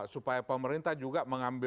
supaya pemerintah juga mengambil